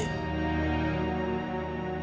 orang orang yang kami cintai